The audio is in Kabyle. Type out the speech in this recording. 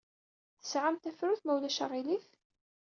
Tesɛam tafrut, ma ulac aɣilif?